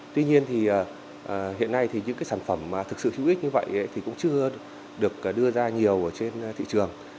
tuy nhiên hiện nay những sản phẩm thực sự hữu ích như vậy cũng chưa được đưa ra nhiều trên thị trường